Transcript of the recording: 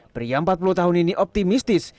pria empat puluh tahun ini optimistis